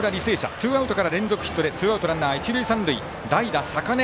ツーアウトから連続ヒットでツーアウト、ランナー、一塁三塁代打、坂根。